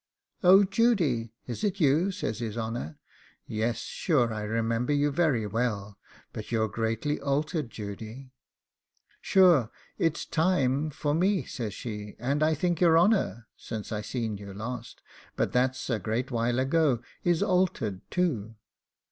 'Oh, Judy, is it you?' says his honour. 'Yes, sure, I remember you very well; but you're greatly altered, Judy.' 'Sure it's time for me,' says she. 'And I think your honour, since I seen you last but that's a great while ago is altered too.